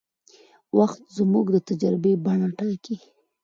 وخت زموږ د تجربې بڼه ټاکي.